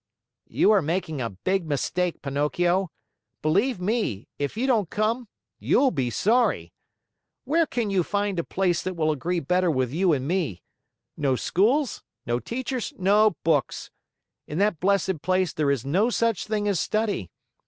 "You are making a big mistake, Pinocchio. Believe me, if you don't come, you'll be sorry. Where can you find a place that will agree better with you and me? No schools, no teachers, no books! In that blessed place there is no such thing as study.